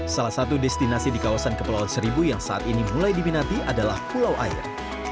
salah satu destinasi di kawasan kepulauan seribu yang saat ini mulai diminati adalah pulau air